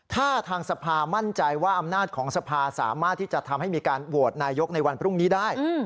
ถ้าทางสภามั่นใจว่าอำนาจของสภาสามารถที่จะทำให้มีการโหวตนายกในวันพรุ่งนี้ได้